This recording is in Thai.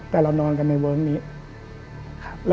แต่เรานอนกันในเวิร์คนี้